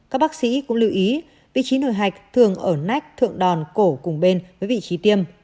các bác sĩ cũng lưu ý vị trí nổi hạch thường ở nách thượng đòn cổ cùng bên với vị trí tiêm